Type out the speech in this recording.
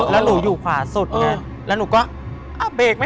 แล้วหนูอยู่ขวาสุดไง